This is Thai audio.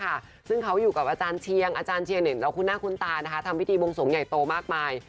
เพราะว่าเขาอยู่กับอาจารย์เชียงอาจารย์เชียงเห็นแล้วคุณหน้าคุณตานะคะทำวิธีวงศมใหญ่โตมากมาย